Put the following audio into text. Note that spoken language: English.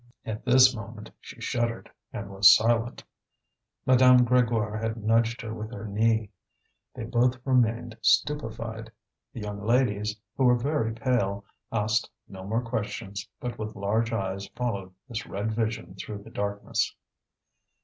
At this moment she shuddered and was silent. Madame Grégoire had nudged her with her knee. They both remained stupefied. The young ladies, who were very pale, asked no more questions, but with large eyes followed this red vision through the darkness.